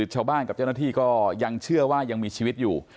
ชาวบ้านกับเจ้าหน้าที่ก็ยังเชื่อว่ายังมีชีวิตอยู่